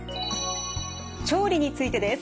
調理についてです。